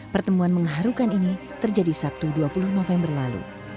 pertemuan mengharukan ini terjadi sabtu dua puluh november lalu